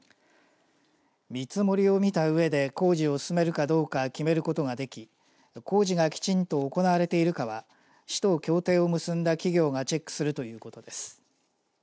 見積もりを見たうえで工事を進めるかどうか決めることができ工事がきちんと行われているかは市と協定を結んだ企業がチェックするということです。